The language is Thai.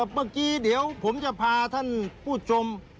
เมื่อกี้เดี๋ยวผมจะพาท่านผู้ชม